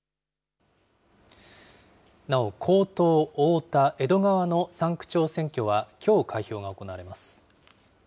なお江東、大田、江戸川の３区長選挙はきょう開票が行われます。